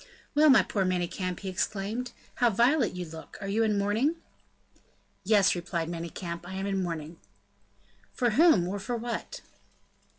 "Well, my poor Manicamp," he exclaimed, "how violet you look; are you in mourning?" "Yes," replied Manicamp; "I am in mourning." "For whom, or for what?"